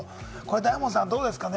大門さん、どうですか？